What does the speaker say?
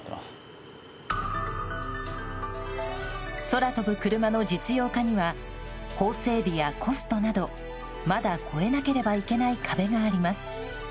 空飛ぶクルマの実用化には法整備やコストなどまだ越えなければいけない壁があります。